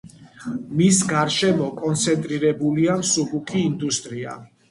მის გარშემო კონცენტრირებულია მსუბუქი ინდუსტრია.